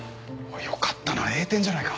よかったな栄転じゃないか。